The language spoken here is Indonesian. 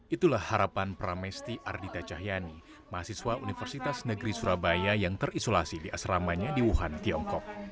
itulah harapan pramesti ardita cahyani mahasiswa universitas negeri surabaya yang terisolasi di asramanya di wuhan tiongkok